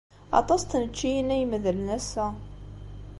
Aṭas n tneččiyin ay imedlen ass-a.